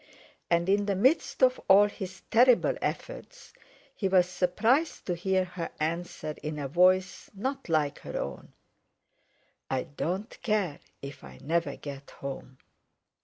And in the midst of all his terrible efforts, he was surprised to hear her answer in a voice not like her own: _"I don't care if I never get home!"